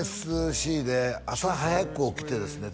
ＮＳＣで朝早く起きてですね